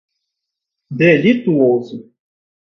delituoso